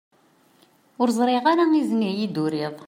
Ur ẓriɣ ara izen iyi-d-turiḍ.